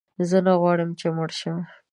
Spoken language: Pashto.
زه نه غواړم چې مړ شم.